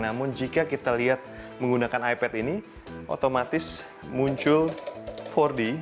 namun jika kita lihat menggunakan ipad ini otomatis muncul empat d